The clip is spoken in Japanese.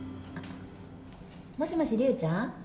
もしもし竜ちゃん？